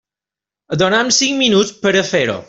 Et donem cinc minuts per a fer-ho.